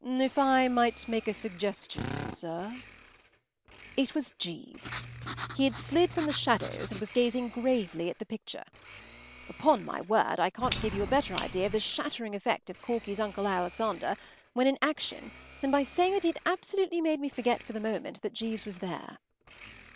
“If I might make a suggestion, sir!” It was Jeeves. He had slid from the shadows and was gazing gravely at the picture. Upon my word, I can’t give you a better idea of the shattering effect of Corky’s uncle Alexander when in action than by saying that he had absolutely made me forget for the moment that Jeeves was there.